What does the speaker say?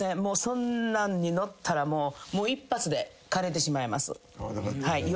そんなんに乗ったらもう一発でかれてしまいます。